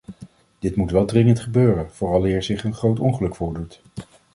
Dit moet wel dringend gebeuren, vooraleer zich een groot ongeluk voordoet.